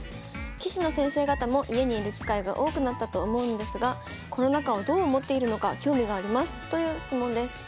棋士の先生方も家に居る機会が多くなったと思うのですがコロナ禍をどう思っているのか興味があります」という質問です。